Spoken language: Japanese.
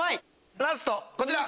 ラストこちら。